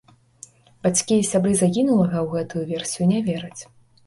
Бацькі і сябры загінулага ў гэтую версію не вераць.